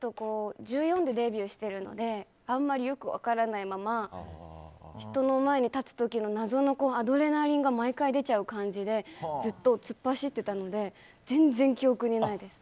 １４でデビューしてるのであんまりよく分からないまま人の前に立つ時の謎のアドレナリンが毎回出ちゃう感じでずっと突っ走ってたので全然記憶にないです。